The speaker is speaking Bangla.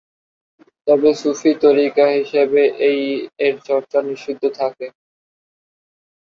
তবে সুফি তরিকা হিসেবে এর চর্চা নিষিদ্ধ থাকে।